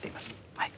はい。